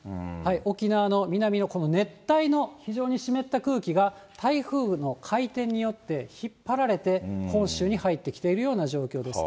沖縄の南のこの熱帯の非常に湿った空気が、台風の回転によって引っ張られて、本州に入ってきているような状況です。